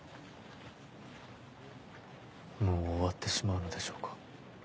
もう終わってしまうのでしょうか。